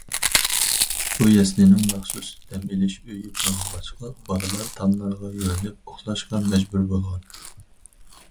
بۇ يەسلىنىڭ مەخسۇس دەم ئېلىش ئۆيى بولمىغاچقا، بالىلار تاملارغا يۆلىنىپ ئۇخلاشقا مەجبۇر بولغان.